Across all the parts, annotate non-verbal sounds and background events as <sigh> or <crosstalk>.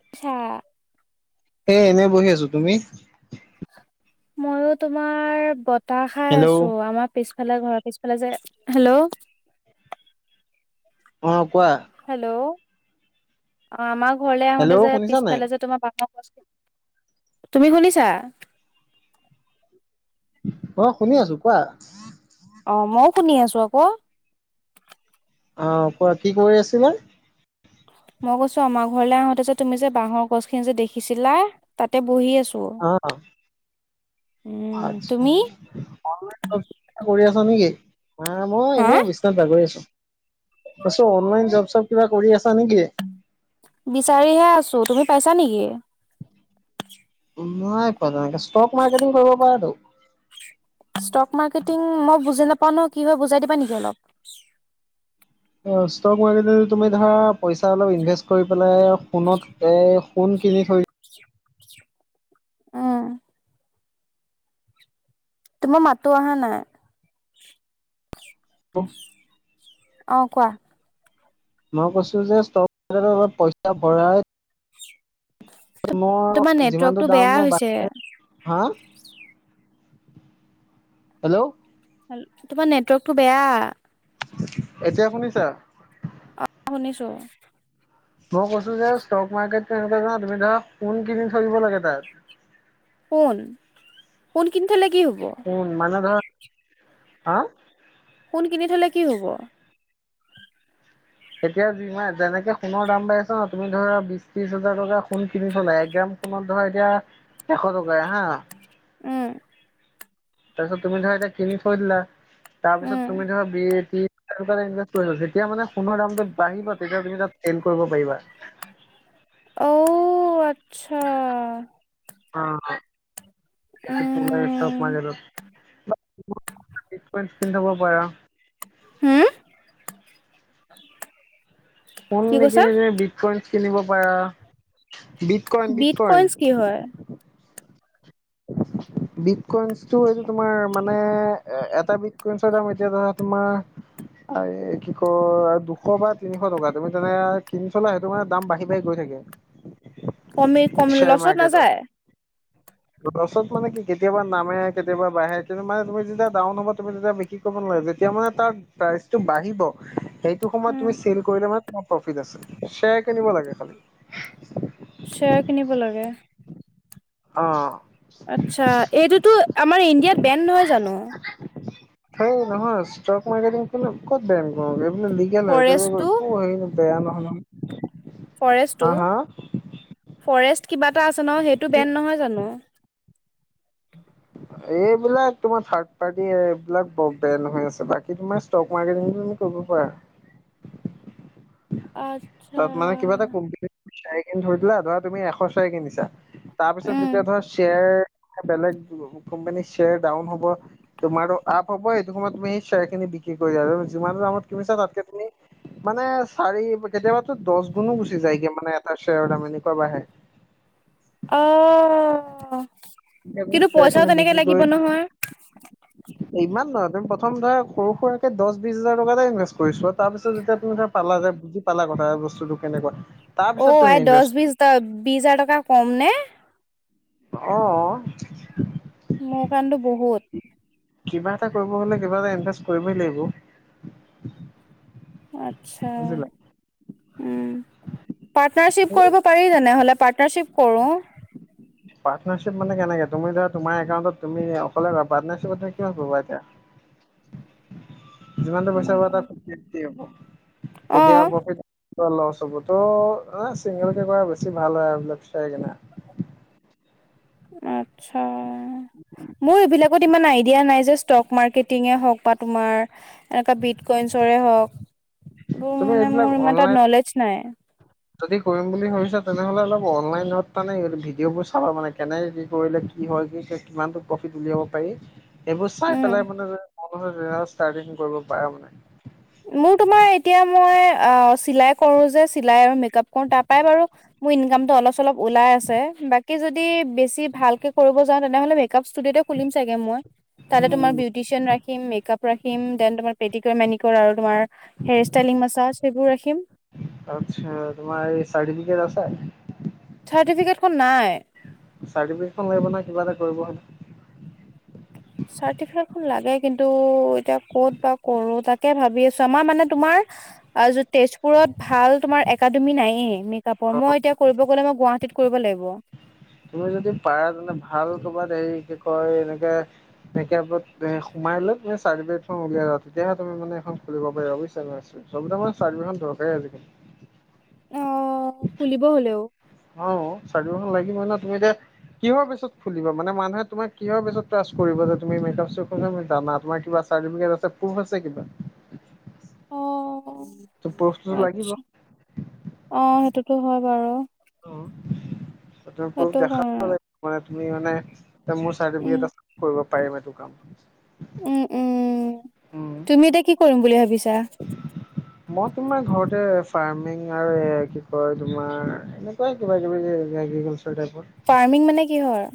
আচ্ছা এই এনে বহি আছো তুমি ময়ো তোমাৰ বতাহ খাই আছো হেল্ল'। আমাৰ পিছ ফালে ঘৰ পিছফালে যে হেল্ল' অ কোৱা হেল্ল' অ আমাৰ ঘৰলে আহোতে হেল্ল' যে শুনিছা নাই? পিছফালে যে তোমাৰ ডাঙৰ গছ তুমি শুনিছা অ শুনি আছো কোৱা অ মইও শুনি আছো আকৌ আহ কোৱা কি কৰি আছিলে মই কৈছো আমাৰ ঘৰলৈ আহোতে যে তুমি যে বাঁহৰ গছখিনি যে দেখিছিলা, তাতে বহি আছ অ উম আচ্ছা তুমি কৰি আছা নেকি? আহ ময়ো হা এনেই বিচনাত বাগৰি আছো, অনলাইন জব চব কিবা কৰি আছা নেকি? বিচাৰিহে আছো তুমি পাইছা নেকি? নাই পোৱা তেনেকে ষ্টক মাৰ্কেটিং কৰিব পাৰতো। ষ্টক মাৰ্কেটিং মই বুজি নাপাও ন কি হয় বুজাই দিবা নেকি অলপ? অ ষ্টক মাৰ্কেটিং তুমি ধৰা পইচা অলপ ইনভেষ্ট কৰি পেলাই সোণত সোণ কিনি থৈ উম। তোমাৰ মাতটো আহা নাই। <unintelligible> অ' কোৱা? মই কৈছো যে ষ্টক অলপ পইচা ভৰাই‌ মই তোমাৰ যিমানটো নেটৱৰ্কটো দাম বেয়া বা? হৈছে হেল্ল'? হেল তোমাৰ নেটৱৰ্কটো বেয়া। এতিয়া শুনিছা? অ' শুনিছো। মই কৈছো যে ষ্টক মাৰ্কেট কেনেকুৱা জা তুমি ধৰা সোণ কিনি থৈ দিব লাগে তাত। সোণ? সোণ কিনি থলে কি হব সোণ মানে ধৰ, হা? সোণ কিনি থলে কি হব? এতিয়া <unintelligible> যেনেকে সোণৰ দাম বাঢ়ি আছে ন তুমি ধৰা বিছ ত্ৰিছ হাজাৰ টকা সোণ কিনি থলে এক গ্ৰাম সোণত‌ ধৰা এতিয়া এশ টকাই হা উম। তাৰপিছত তুমি ধৰা এয়া কিনি থৈ দিলা তাৰপিছত উম তুমি ধৰা বি এ টি তেনেকুৱাত ইনভেষ্ট কৰিবা, যেতিয়া মানে সোণৰ দামটো বাঢ়িব তেতিয়া তুমি তাত চেল কৰিব পাৰিবা। অঔ আচ্ছা। অ' <unintelligible> ষ্টক উম মাৰ্কটত। কিন থব পাৰা। হম <inaudible> ফোন কি কৈছা নিকিনি তুমি বিটকইনছ কিনিব পাৰা। Bitcoin bit bitcoin. কইনচ কি হয় <inaudible> বিটকইনছটো এইতো তোমাৰ মানে এটা বিটকইনছৰ দাম এতিয়া ধৰা তোমাৰ আৰে কি কয় দুশ বা তিনিশ টকা, তুমি তেনেকা কিনি চলা সেইটো মানে দাম বাঢ়ি বাঢ়ি গৈ থাক‌ থাকে। কমি কম লছত নাযায়? ৰছত মানে কি কেতিয়াবা নামে কেতিয়াবা বাঢ়ে কিন্তু মানে তুমি যেতিয়া ডাওন হব তুমি তেতিয়া বিক্ৰী কৰিব নালাগে যে তিয়া মানে তাৰ প্ৰাইচটো বাঢ়িব সেইটো সময়ত উম তুমি চেল কৰিলে মানে তোমাৰ প্ৰফিট আছে। শ্বেয়াৰ কিনিব লাগে খালি। শ্বেয়াৰ কিনিব লাগে? অ'। আচ্ছা এইটোতো আমাৰ ইণ্ডিয়াত বেন নহয় জানো? হেই নহয় ষ্টক মাৰকেটিং কোনে ক'ত বেন কৰ, এইবিলাক লিগেল ফৰেষ্টটো হয়। বেয়া নহয় নহয়। ফৰেষ্টটো হা হা ফৰেষ্ট কিবা এটা আছে নহয়‌, সেইটো কি বেন নহয় জানো? এইবিলাক তোমাৰ থাৰ্ড পাৰ্টি এইবিলাক ব - বেন হৈ আছে, বাকী তোমাৰ ষ্টক মাৰ্কেট <unintelligible> আচ্ছা তাত মানে কিবা এটা কোম্পানীক বিচাৰি কেনে ধৰি পেলাই ধৰা তুমি এশ চাৰি কিনিছা তাৰপিছত উম যেতিয়া ধৰা শ্বেয়াৰ বেলেগ কোম্পানী শ্বেয়াৰ ডাউন হব, ‌ তোমাৰো আপ হব সেইটো সময়ত তুমি সেই শ্বেয়াৰ খিনি বিক্ৰী কৰি আৰু যিমানটো দামত কিনিছা তাতকে তুমি মানে চাৰি কেতিয়াবাতো দছ গুনো গুচি যায়গে মানে এটা শ্বেয়াৰৰ দাম এনেকুৱা বাঢ়ে। অ। তুমি কিন্তু শ্বেয়াৰ পইচাও খিনি তেনেকে বিক্ৰী লাগিব কৰি নহয়। ইমান নহয় তুমি প্ৰথম ধৰা সৰু সুৰাকে দহ বিশছ হাজাৰ টকাতে ইনভেষ্ট কৰিছো তাৰপিছত যেতিয়া তুমি ধৰা পালা। যে বুজি পালা কথা বস্তুতটো কেনেকুৱা। তাৰ অ পিছত তুমি আই দহ ইনভেষ্ট বিশ বিশ হাজাৰ টকা কম নে। আহ। মমোৰ কামটো বহুত। কিবা এটা কৰিব হ'লে কিবা এটা ইনভেষ্ট কৰিবই লাগিব। আছা বুজিলা উম পাৰ্টনাৰশ্বিপ কৰিব পাৰি জান হলে। পাৰ্টনাৰশিপ কৰোঁ। পাৰ্টাৰশ্বিপ মানে কেনেকে তুমি ধৰা তোমাৰ একাউণ্ট তুম অকলে পাৰ্নাৰশ্বিপত ক কৰিববা এতিয়া। যিমানটো পইচা হ কেতিয়া অ' প্ৰফে লৰ চবুতো এ চিংগল কেে কৰা বেছি ভাল হয় আৰুবিল চাই কিনে। আতছা মোৰ এইবিলাক। ত ইমান আইডিয়া নাই যে ষ্টক মাৰ্কেটিঙে হওক বা তোমাৰ এনেকুৱা বিটকইনছৰে হওক। এইোৰ তুমি মানে এইবিলাক মোৰ ইমান অনলাইন তাত নলেজ নাই। যদি কৰিম বুলি ভাবিছা তেনেহ'লে অলপ অনলাইনত তানে ভিডিঅ'বোৰ চাবা মানে কেনে কি কৰিলে কি হয় কি কিমানো প্ৰফিট উলিয়াব পাৰি। এইবোৰ চাই উম। পেলাই মানে ষ্টাৰটি কৰিব পাৰে মানে মোৰ তোমাৰ এতিয়া মই চিলাই কৰো যে চিলাই আৰু মেকপ কৰো তাৰ বাৰু মোৰ ইনকামতটো অলপ চলপ ওলাই আছে বাকী যদি বেছি ভালকে কৰিব যাওঁ তেনেহ'লে টপ ষ্টুডিঅ এটা খুলিম চাগে মই। তাতে তোমাৰ উম। বিউটিচিয়ানঞ ৰাখিম। মেকআপ ৰাখিম দেন তোমাৰ পেটিক মেনিক আৰু তোমাৰ। হেয়াৰ ষ্টাইলিং আচ্ছা মাছাজ সেইবোৰ ৰাখিম তোমাৰ এই চাৰটিফিকেট আ। চাৰ্টিফিকেটখন নাই চি লাগিব নহ কিবা এটা কৰিব হ। চাৰ্টিফিকেটখন লাগে কিন্তু এতিয়া ক'ত বা কৰো তাকে ভাবি আছো আমাৰ মানে তোমাৰ আ তেজপুৰত। ভাল তোমাৰ একাডেমি নাইয়ে মেকআপৰ, মই এতিয়া কৰিব গ'লে মই গুৱাহাটীত কৰিব লাগি তুমি যদি পাৰা তেন্তে ভাল কৰ'বাত হেৰি কি কয় এনেকে একেৰাবত এ সোমাই লৈ পেলে চাৰ্টিফিকেটখন উলিয়াই লবা তেতিয়াহে তুমি মানে এইখন খুলিব পাৰিবা বুইছা <unintelligible> চবিতা খন চাৰ্টিফিকেটখন দৰকাৰী আজিকালি অ', খুলিব হ'লেও অ চাৰ্টিফিকেট খন লাগিবই ন তুমি এতিয়া কিহৰ বেছত খুলিবা মানে মানুহে তোমাক কিহৰ বেছত ট্ৰাছ কৰিব যে তুমি মেকআপৰ কামবোৰ জানা তোমাৰ কিবা চাৰ্টিফিকেট আছে প্ৰুফ আছে কিবা। অ ত প্ৰুফটো লাগিব অ আচছা অ সেইটোতো হয় বাৰু অ ত তুমি প্ৰোফ সেইটো দেখাব কাৰণে লাগিব মানে তুমি মানে। এ মোৰ উম, চাৰ্টিফিকেট আছে কৰিব পাৰিম এইটো কাম। উম উম উম তুমি এতিয়া কি কৰিম বুলি ভাবিছা। মই তোমাৰ ঘৰতে ফাৰ্মিং আৰু এ কি কয় তোমাৰ এনেকুৱাই কিবা কিবি <unintelligible> ফাৰ্মিং মানে কিহৰ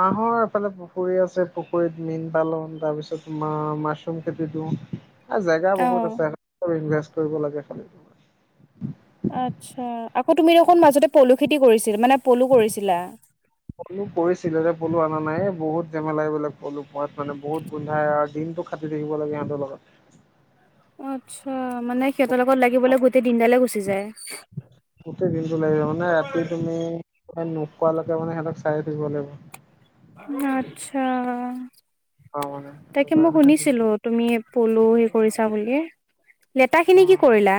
হাঁহৰ এফালে পুখুৰী আছে পুখুৰীত মীন পালন তাৰ পিছত তোমাৰ মাছৰুম খেতি দিও। এ জেগা বহুত অ', আছে ইনভেষ্ট কৰিব লাগে খালি। আত্ছা আকৌ তুমি দেখোন মাজতে পলু খেতি কৰিছিল মানে। পলু কৰিছিলা পলু কৰিছিলে এতিয়া পলু অনা নাই। বহুত জেমেলা এবিলাক পলু পোহাত মানে বহুত গোন্ধাই আৰু দিনটো খাটি থাকিব লাগে সিহঁতৰ লগত। <unintelligible> আত্ছা মানে সিহঁতৰ লগত লাগিবলৈ বহুত গোটেই দিনটো লাগিব মানে ৰাতি তুমি। নোকোৱালৈকে মানে সিহঁতক চাই থাকিব লাগিব। আত্ছা অ মানে সেইটো তাকে মই কাৰণেহে শুনিছিলো দিগদাৰ তুমি, পলু হেৰি কৰিছা বুলি। লেতাখিনি অ কি কৰিলা?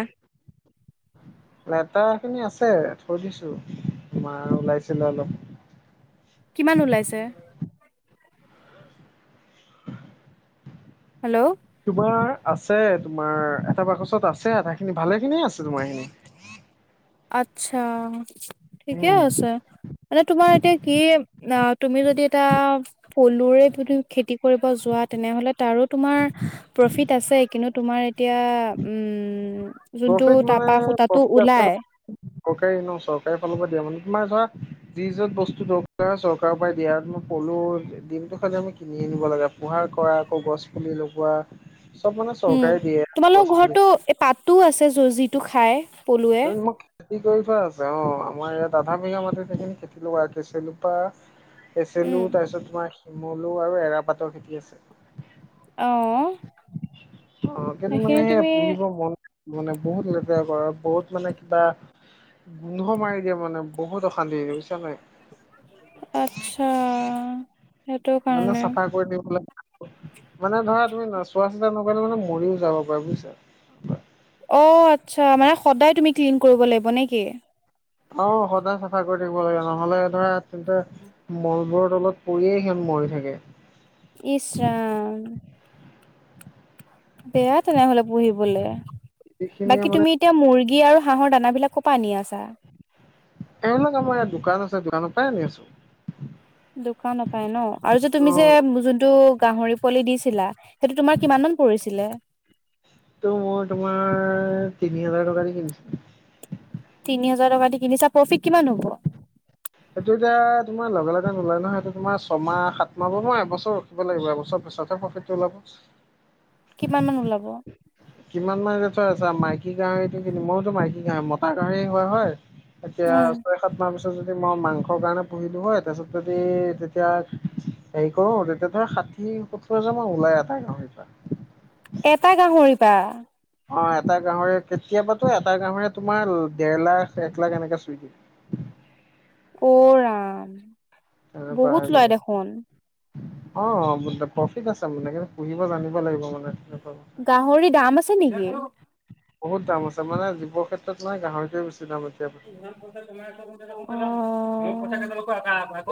সেইখিনি খিনি আছে, থৈ দিছো। তোমাৰ ওলাইছিলে অলপ। কিমান ওলাইছে? <unintelligible> হেল্ল'। তোমাৰ আছে তোমাৰ এটা বাকচত আছে আধা খিনি ভালে খিনি আছে তোমাৰ খিনি। <unintelligible> আত্ছা, ঠিকে উম আছে। মানে তোমাৰ এতিয়া কি আ তুমি যদি এটা পলুৰে খেতি কৰিব যোৱা তেনেহ'লে তাৰো তোমাৰ প্ৰফিট আছে। কিন্তু তোমাৰ এতিয়া উম, যোনটো প্ৰফিট মানে তাপা সুতাটো প্ৰফিট আছে ওলাই চৰকাৰী ন চৰকাৰী ফালৰ পৰা দিয়া মানে তোমাৰ ধৰা যি যত বস্তু দৰকাৰ হয়, চৰকাৰৰ পাই দিয়ে আৰু তোমাৰ পলু পলুৰ দিমটো খালি আমি কিনি আনিব লাগে। পোহাৰ কৰা আকৌ গছ পুলি লগোৱা চব মানে উম, চৰকাৰে দিয়ে গছ তোমালোকৰ পুলি ঘৰটো এ পাতটো আছে য যিটো খাই। পলুৱে তুমি মোক খেতি কৰি থোৱা আছে। অ, আমাৰ ইয়াত আধা বিঘা মাটি সেখিনি খেতি লোৱা কেচেলোপা উম। কেচেলু তাৰপিছত তোমাৰ শিমলু আৰু এৰাপাতৰ খেতি আছে। অ অ, কিন্তু মানে সেইখিনি সেই তুমি পুহিব মন মানে বহুত লেতেৰা কৰে বহুত মানে কিবা গোন্ধ মাৰি দিয়ে মানে বহুত অশান্তি। বিহুছা নাই। আচ্ছা। সেইটো মানে কাৰণে চাফা কৰি দিবলে মানে ধৰা তুমি চোৱা চিতা নকৰিলে মানে মৰিও যাব পাৰে বুইছা। অ, আচ্ছা মানে সদায় তুমি ক্লিন কৰিব লাগিব নে কি? অ সদায় চাফা কৰি থাকিব লাগে নহলে ধৰা তেন্তে মলবোৰ তলত পৰিয়েই সিহঁত মৰি থাকে। ইছৰাম। বেয়া তেনেহলে পুহিবলে। এইখিনিয়ে বাকী মানে তুমি এতিয়া মুৰ্গী- ৰ্গী আৰু হাঁহৰ দানাবিলাকো পানী আছ- এ, লক আমাৰ ইয়াত দোকান আছে দোকানৰ পৰা আনি আছো। দোকান ৰ পৰাই ন আৰু যে তুমি যে অ' যোনটো গাহৰি পোৱালি দিছ- ছিলা সেইটো তোমাৰ কিমানান পৰিছিলে? তটো মই তোমাৰ তিনি হাজাৰ টকা দি কিনিছিলো। তিনি হাজাৰ টকা দি কিনিছা, প্ৰফিট কিমান হ'ব? সেইটো এতিয়া তোমাৰ লগে লগে নোলয় নহয়। সটো তোমাৰ ছয়মাহ সাত মাহ ব নয় এবছৰ ৰখিব লাগিব। এবছৰ পিছত হে প্ৰফিটটো ওলাব। কিমান মান ওলাব? কিমান মানৰে থয় আছা মাইকী গাহৰিতটো কিনিম ময়োতো মাইকী গাহৰি মতা গাহৰি হোৱা হয়। এতিয়া উম, ছয় সাত মাহ পিছ- যদি মই মাংসৰ কাৰণে পুহিলো হয় তাৰপিছত যদি তেতিয়া হেৰি কৰো তেতিয়া সাত- ঠি ওঁঠৰ হেজাৰ মান ওলাই এটা গাহৰিৰ। এটা গাহৰি পা। অ, এটা গাহৰিৰ কেতিয়াবাতো এটা গাহৰি তোমাৰ দেৰ লাখ এক লাখ এনেককাে চুই দিয়ে। <inaudible> অ, ৰাম। বহুত ওলাই দেখোন। অ, অ প্ৰফিত আছে মানে কিন্তু পুহিব জানিব লাগিব মানে। কথা গাহৰি দাম আছে নেকি? বহুত দাম আছে মানে জীৱৰ ক্ষেত্ৰত মান গাহৰি তো এ বেছি। দাম এতিয়া অ অ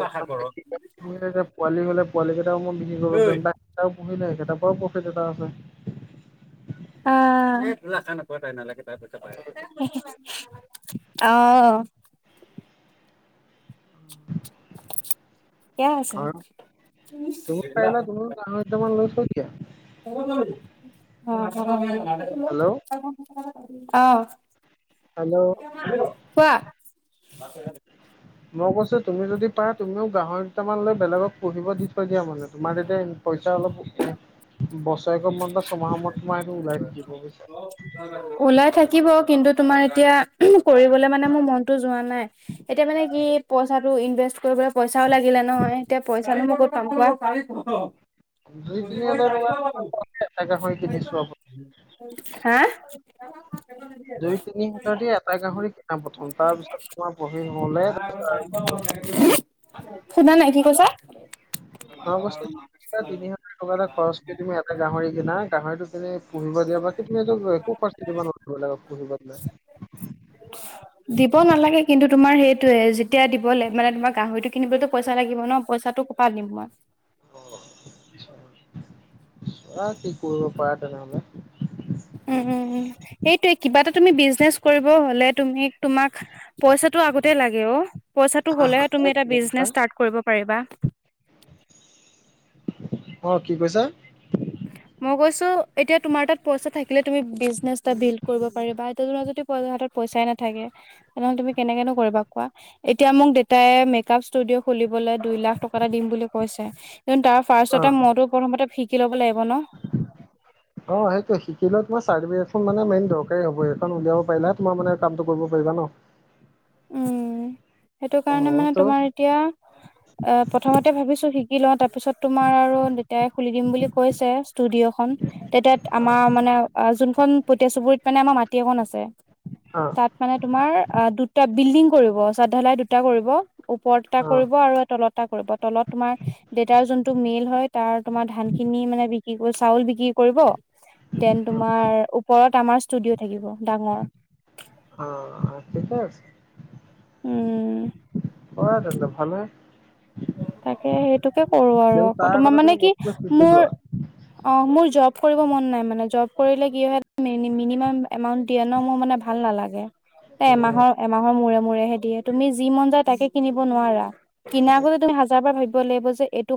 পোৱালি হ'লে। পোৱালী কেইটাও মই বিক্ৰী কৰিব পাৰিম তেনেইটাও পুহি নাই কেইটাৰ পৰাও প্ৰফিট এটা আছে। অ ৰাখা নাপাই তাই নালাগে তাই পইচা পাই লাগে আছে অ ঠিকে <unintelligible> আছে। থৈ দিয়া <unintelligible> হেল্ল' হেল্ল' কোৱা মই কৈছোঁ তুমি যদি পাৰা তুমিও গাহৰিকেইটামান লৈ বেলেগক পুহিব দি- দিয়া মানে তোমাৰ তেতিয়া পইচা অলপ এ বছৰেক মূৰত বা ছমাহৰ মূৰত তোমাৰ সেইটো ওলাই থাকিব বুজিছা। ওলাই থাকিব কিন্তু তোমাৰ এতিয়া। কৰিবলৈ মানে মোৰ মনতটো যোৱা নাই এতিয়া মানে কি পইচাটো ইনভেষ্ট কৰিবলৈ পইচাও লাগিলে নহয় এতিয়া পইচানো মই ক'ত পাম কোৱা? দুই তিনি হাজাৰ টকা এটা গাহৰি কিনিছো <unintelligible> আপুনি হা। দুই তিনি হাজাৰ দি এটা গাহৰি কিনা প্ৰথম তাৰ পিছত তোমাৰ বহি হ'লে তাৰ- <inaudible> সুনা নাই কি কৈছা? গড় বস্তিত কিনা তিনি হাজাৰ টকা এটা খৰচ কৰি তুমি এটা গাহৰি কিনা গাহৰিটো কিনি- পুহিব দিয়া বাকি তুমি এটো একো খৰচ দিব নালাগে। পুহিব দিলে। দিব নালাগে কিন্তু তোমাৰ সেইটোয়ে যেতিয়া দিবলৈ মানে তোমাৰ গাহৰিটো কিনিবলৈতো পইচা লাগিব ন পইচাটো কপা দিম মই। অ চোৱা কি কৰিব পাৰা তেনেহ'লে। উম, উম, উম, সেইটোৱে কিবা এটা তুমি বিজনেচ কৰিব হ'লে তুমি তোমাক পইচাটো আগতে লাগে অ। পইচাটো হ'লে তুমি আহ এক এটা মিনিট, বিজনেছ ষ্টাৰ্ট কৰিব পাৰিবা। অ কি কৈছা? মই কৈছোঁ এতিয়া তোমাৰ তাত পইচা থাকিলে তুমি বিজনেছ এটা ডিল কৰিব পাৰিবা ত তোমাৰ যদি পইচা হাতত। পইচা নাথাকে নহ'লে তুমি কেনেকৈনো কৰিবা কোৱা। এতিয়া মোক দেতাই মেকাপ ষ্টুডিঅ'খুলিব দুই লাখ টকাএটা দিম বুলি কৈছে কিন্তু তাৰ ফাৰ্ষ অ মই তো প্ৰথমতে শিকি ল'ব লাগিব ন। অ সেইটোৱে শিকি লত। তমাৰ চাৰ্টিফিকখন মানে মেইন দৰকাৰী হ'ব এইখন উলিয়াব পাৰিলে তোমাৰ মানে কামটো কৰিব পাৰিবা ন। উম সেইটো অ কাৰণে মানে ত তোমাৰ এতিয়া অ প্ৰথমতে ভাবিছোঁ শি শিকি লওঁ তাৰপিছত তোমাৰ আৰু দেতাই খুলি দিম বুলি কৈছে। ষ্টুডিঅ'খন তেতাত আমাৰ মানে যোনখন পতে চুবুৰীত মানে আমাৰ মাটি অকন আছে। অ তাত মানে তোমাৰ দুটা বিল্ডিং কৰিব শ্ৰতদ্ধালাই দুটা কৰিব। ওপৰত এটা অ কৰিব আৰু তলত। এটা কৰিব তলত তোমাৰ দেউতাৰ যোনতটো মেইল হয় তাৰ তোমাৰ ধান খিনি মানে বিক্ৰী কৰি চাউল বিকি কৰিব দেন তোমাৰ ওপৰত আমাৰ ষ্টুডিঅ' থাকিব ডাঙৰ। অ ঠিকে আছে। উম কৰা তেনে ভালে। তাকে সেইটোকে কৰোঁ আৰু কিন্তু আকৌ তাৰ তোমাৰ আগতে মানে তুমি কি বস্তুটো শিকি মোৰ। অ মোৰ জব কৰিব মন নাই মানে জব কৰিলে কি মিনিমাম এমাউণ্ট দিয়ে ন মোৰ মানে ভাল নালাগে। এ লোৱা। এমাহৰ এমাহৰ মূৰে মূৰেহে দিয়ে তুমি যি মন যায় তাকে কিনিব নোৱাৰা কিনাৰ আগতে তুমি হাজাৰ বাৰ ভাবিব লাগিব যে এইটো।